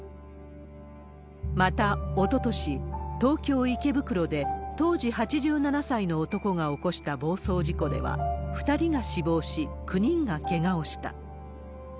また、おととし、東京・池袋で当時８７歳の男が起こした暴走事故では、２人が死亡し、９人がけがをした。